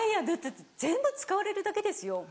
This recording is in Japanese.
だって全部使われるだけですよ。